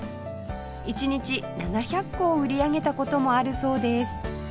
１日７００個を売り上げた事もあるそうです